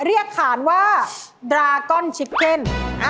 เรียกขานว่าดรากอนชิปเคน